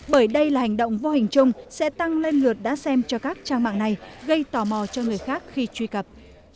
bởi đây là hành động vô hình chung sẽ tăng lên lượt đã xem cho các trang mạng này gây tò mò cho người khác khi truy cập